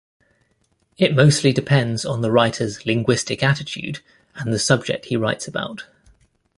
It mostly depends on the writer's linguistic attitude and the subject he writes about.